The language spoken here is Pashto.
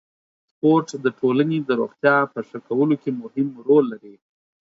سپورت د ټولنې د روغتیا په ښه کولو کې مهم رول لري.